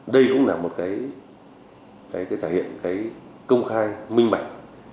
đây cũng là một cái thể hiện công khai minh mạnh